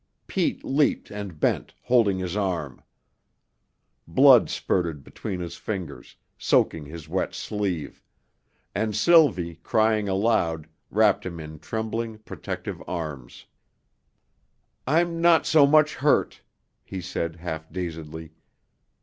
Pete leaped and bent, holding his arm. Blood spurted between his fingers, soaking his wet sleeve; and Sylvie, crying aloud, wrapped him in trembling, protective arms. "I'm not much hurt," he said half dazedly.